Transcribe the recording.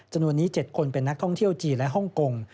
จำนวนนี้๗คนเป็นนักท่องเที่ยวจีนและฮ่องกง